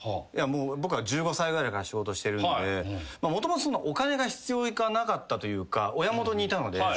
僕は１５歳ぐらいから仕事してるんでもともとそんなお金が必要なかったというか親元にいたので。